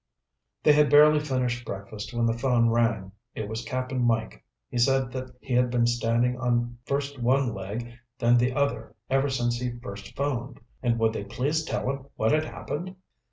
They had barely finished breakfast when the phone rang. It was Cap'n Mike. He said that he had been standing on first one leg then the other ever since he first phoned, and would they please tell him what had happened.